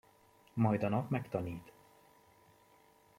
Majd a nap megtanít.